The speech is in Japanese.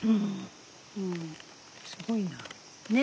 うんすごいな。ね！